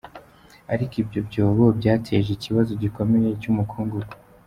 Ariko ibyo byobo byateje ikibazo gikomeye cy’umukungugu.